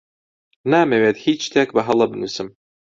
نامەوێت هیچ شتێک بەهەڵە بنووسم.